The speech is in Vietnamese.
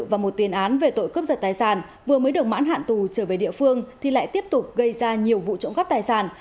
và một tiền án về tội cướp giật tài sản vừa mới được mãn hạn tù trở về địa phương thì lại tiếp tục gây ra nhiều vụ trộm cắp tài sản